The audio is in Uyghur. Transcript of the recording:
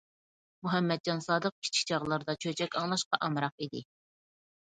مۇھەممەتجان سادىق كىچىك چاغلىرىدا چۆچەك ئاڭلاشقا ئامراق ئىدى.